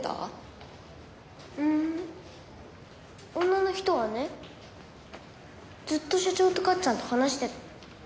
女の人はねずっと所長とかっちゃんと話してた。